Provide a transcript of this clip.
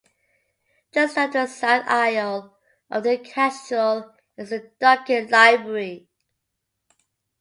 Just off the south aisle of the cathedral is the Duckett Library.